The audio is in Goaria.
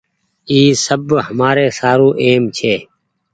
اي سب همآري سارو اهم ڇي۔